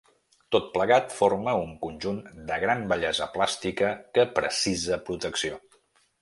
Tot plegat forma un conjunt de gran bellesa plàstica que precisa protecció.